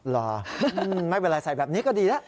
หรอไม่เป็นไรใส่แบบนี้ก็ดีแล้ว